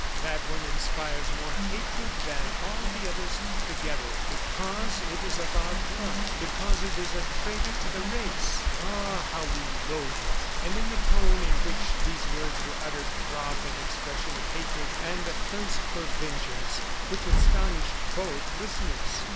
That one inspires more hatred than all the others put together, because it is of our blood, because it is a traitor to the race. ... Ah, how we loathe it!" And in the tone in which these words were uttered throbbed an expression of hatred and a thirst for vengeance which astonished both listeners.